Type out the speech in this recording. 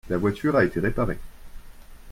La voiture a été réparée.